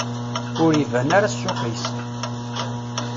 Ur iban ara ssuq-is.